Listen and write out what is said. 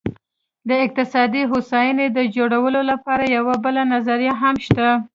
د اقتصادي هوساینې د جوړولو لپاره یوه بله نظریه هم شته.